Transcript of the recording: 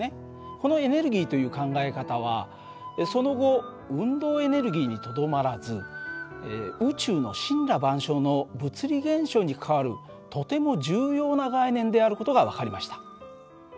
このエネルギ−という考え方はその後運動エネルギーにとどまらず宇宙の森羅万象の物理現象に関わるとても重要な概念である事が分かりました。